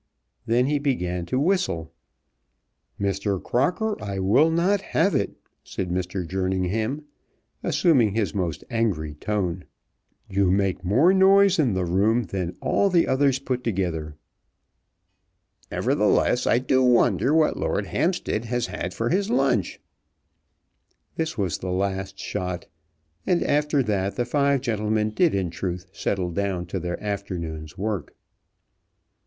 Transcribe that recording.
Then he began to whistle. "Mr. Crocker, I will not have it," said Mr. Jerningham, assuming his most angry tone. "You make more noise in the room than all the others put together." "Nevertheless, I do wonder what Lord Hampstead has had for his lunch." This was the last shot, and after that the five gentlemen did in truth settle down to their afternoon's work.